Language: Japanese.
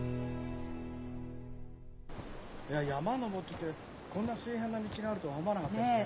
いや山登ってこんな水平な道があるとは思わなかったですね。